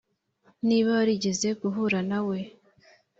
niba warigeze guhura nawe,